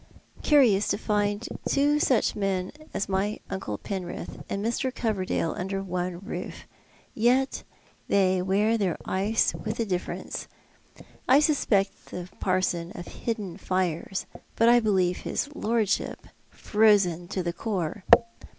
Curious to find two such men as my uncle Penrith and Mr. Coverdale under one roof. Yet they wear their ice with a difference. I suspect the parson of hidden fires, but I believe his Lordship frozen to the core.